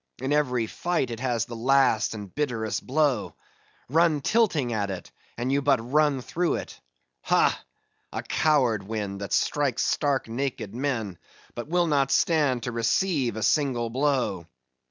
In every fight it has the last and bitterest blow. Run tilting at it, and you but run through it. Ha! a coward wind that strikes stark naked men, but will not stand to receive a single blow.